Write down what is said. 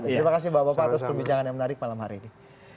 terima kasih bapak bapak atas perbincangan yang menarik malam hari ini